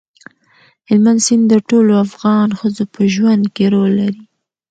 هلمند سیند د ټولو افغان ښځو په ژوند کې رول لري.